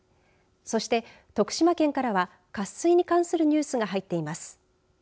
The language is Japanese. そして、徳島県からはあすに関するニュースが入っています。